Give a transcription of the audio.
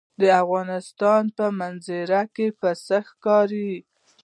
د افغانستان په منظره کې پسه ښکاره ده.